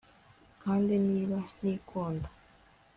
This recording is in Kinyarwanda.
kandi niba ntikunda